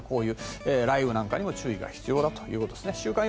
雷雨なんかにも注意が必要だということです。